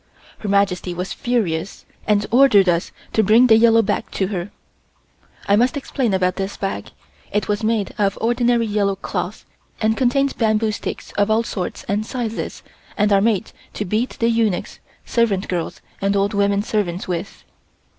Her Majesty was furious and ordered us to bring the yellow bag to her. (I must explain about this bag. It was made of ordinary yellow cloth and contained bamboo sticks of all sorts and sizes and are made to beat the eunuchs, servant girls and old women servants with.)